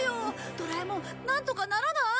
ドラえもんなんとかならない？